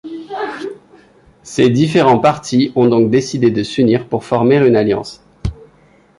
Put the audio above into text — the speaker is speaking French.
Ces différents partis ont donc décidé de s'unir pour former une alliance.